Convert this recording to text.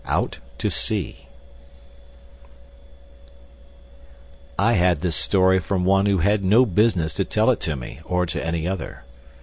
Out to Sea I had this story from one who had no business to tell it to me, or to any other.